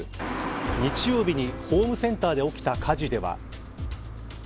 日曜日にホームセンターで起きた火事では。